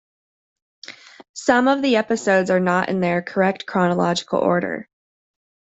Some of the episodes are not in their correct chronological order.